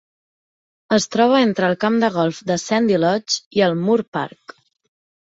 Es troba entre el camp de golf de Sandy Lodge i el Moor Park.